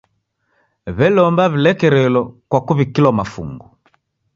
W'elomba w'ilekerelo kwa kuw'ikilwa mafungu.